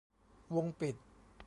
วงปิด